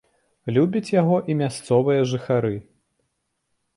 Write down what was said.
Любяць яго і мясцовыя жыхары.